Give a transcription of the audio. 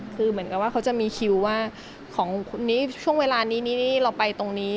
คือเหมือนกับว่าเขาจะมีคิวว่าของคนนี้ช่วงเวลานี้เราไปตรงนี้